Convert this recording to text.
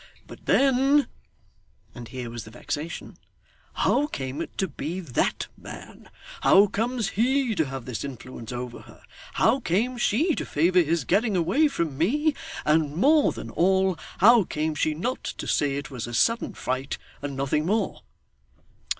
But then' and here was the vexation 'how came it to be that man; how comes he to have this influence over her; how came she to favour his getting away from me; and, more than all, how came she not to say it was a sudden fright, and nothing more?